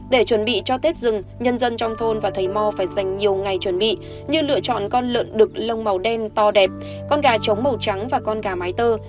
để chuẩn bị cho tết dừng nhân dân trong thôn và thầy mò phải dành nhiều ngày chuẩn bị như lựa chọn con lợn đực lông màu đen to đẹp con gà trống màu trắng và con gà mái tơ